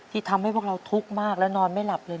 ทำให้พวกเราทุกข์มากแล้วนอนไม่หลับเลย